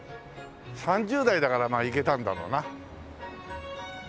３０代だからいけたんだろうな。